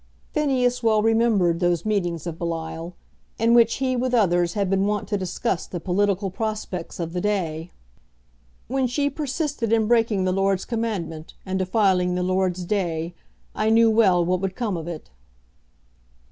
Phineas well remembered those meetings of Belial, in which he with others had been wont to discuss the political prospects of the day. "When she persisted in breaking the Lord's commandment, and defiling the Lord's day, I knew well what would come of it."